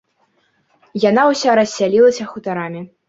Яна ўся рассялілася хутарамі.